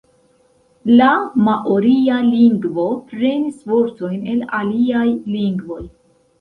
La maoria lingvo prenis vortojn el aliaj lingvoj.